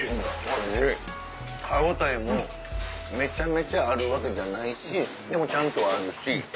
歯応えもめちゃめちゃあるわけじゃないしでもちゃんとあるし。